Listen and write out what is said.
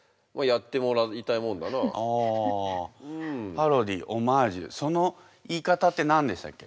パロディーオマージュその言い方って何でしたっけ？